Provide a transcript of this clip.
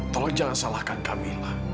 tolong jangan salahkan kamilah